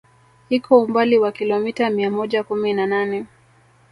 Iko umbali wa kilomita mia moja kumi na nane